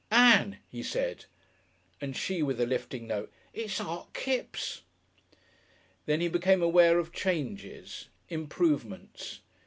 "Ann!" he said, and she, with a lifting note, "It's Art Kipps!" Then he became aware of changes improvements.